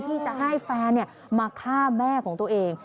ที่จะให้แฟนมาฆ่าแม่ของตัวเอง